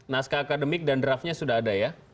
naskah akademik dan draftnya sudah ada ya